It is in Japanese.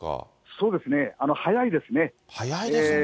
そうですね、早いですね。